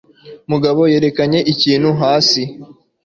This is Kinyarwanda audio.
Mugabo yerekanye ikintu hasi.